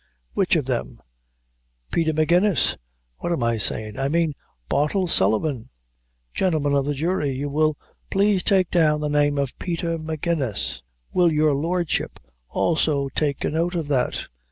"Which of them?" "Peter Magennis what am I sayin'? I mean Bartle Sullivan." "Gentlemen of the jury, you will please take down the name of Peter Magennis will your lordship also take a note of that?